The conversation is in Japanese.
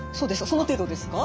その程度ですか？